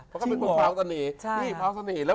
เพราะเป็นคนเผาสนีใช่ค่ะ